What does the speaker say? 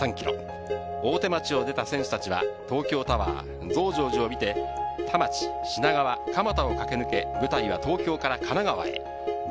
大手町を出た選手たちは東京タワー、増上寺を見て田町、品川、蒲田を駆け抜け、舞台は東京から神奈川へ。